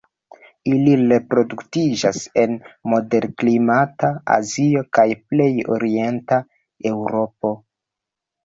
Ili reproduktiĝas en moderklimata Azio kaj plej orienta Eŭropo.